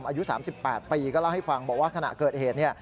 อายุ๓๘ปีก็เล่าให้ฟังบอกว่าขณะเกิดเหตุเนี่ย